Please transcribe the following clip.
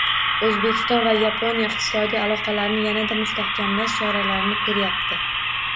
O‘zbekiston va Yaponiya iqtisodiy aloqalarni yanada mustahkamlash choralarini ko‘ryapti